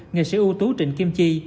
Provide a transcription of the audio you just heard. nghệ sĩ ưu tú trịnh kim chi